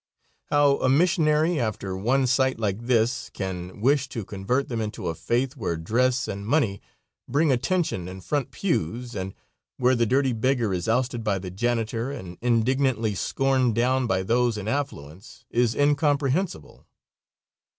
How a missionary, after one sight like this, can wish to convert them into a faith where dress and money bring attention and front pews, and where the dirty beggar is ousted by the janitor and indignantly scorned down by those in affluence, is incomprehensible.